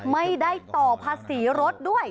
ไม่ได้ต่อภาษีรถด้วย